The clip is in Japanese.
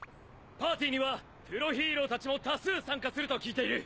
パーティーにはプロヒーローたちも多数参加すると聞いている。